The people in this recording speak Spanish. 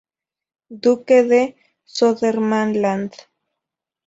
Duque de Södermanland.